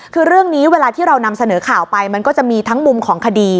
คือเรื่องนี้เวลาที่เรานำเสนอข่าวไปมันก็จะมีทั้งมุมของคดี